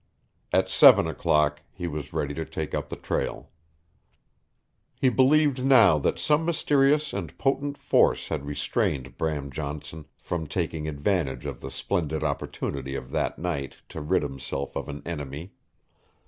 At seven o'clock he was ready to take up the trail. He believed now that some mysterious and potent force had restrained Bram Johnson from taking advantage of the splendid opportunity of that night to rid himself of an enemy.